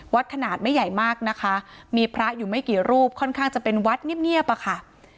ขนาดไม่ใหญ่มากนะคะมีพระอยู่ไม่กี่รูปค่อนข้างจะเป็นวัดเงียบอะค่ะ